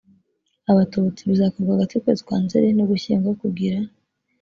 abatutsi bizakorwa hagati y ukwezi kwa nzeri n ugushyingo kugira